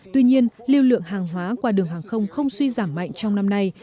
tuy nhiên lưu lượng hàng hóa qua đường hàng không không suy giảm mạnh trong năm nay